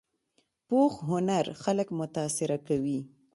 پوخ هنر خلک متاثره کوي